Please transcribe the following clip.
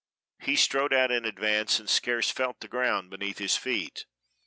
He strode out in advance, and scarce felt the ground beneath his feet.